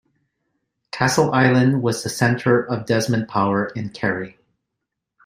Castleisland was the centre of Desmond power in Kerry.